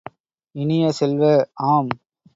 இனிய செல்வ, ஆம்!